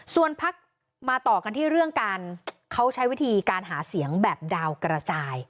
ส่วนพักมาต่อกันที่เรื่องการเขาใช้วิธีการหาเสียงแบบดาวกระจาย